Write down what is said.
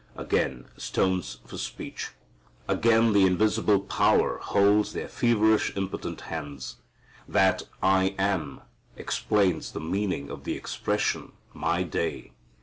Again stones for speech. Again the invisible power holds their feverish impotent hands. That "I am" explains the meaning of the expression "my day."